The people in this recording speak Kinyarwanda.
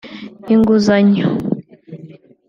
inguzanyo